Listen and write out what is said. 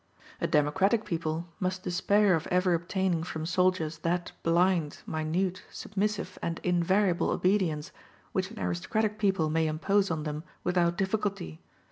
A democratic people must despair of ever obtaining from soldiers that blind, minute, submissive, and invariable obedience which an aristocratic people may impose on them without difficulty.